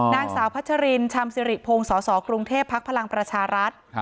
นางสาวพัชรินชำสิริพงศ์สสกรุงเทพภักดิ์พลังประชารัฐ